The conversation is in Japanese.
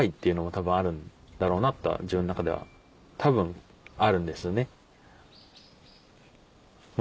んだろうなとは自分の中では多分あるんですね。